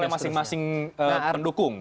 dari masing masing pendukung